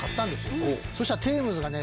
そしたらテームズがね。